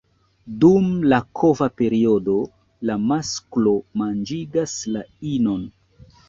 Dum la kova periodo, la masklo manĝigas la inon.